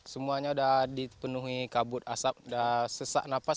semuanya udah dipenuhi kabut asap udah sesak nafas